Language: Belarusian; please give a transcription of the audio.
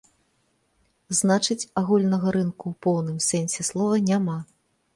Значыць, агульнага рынку ў поўным сэнсе слова няма.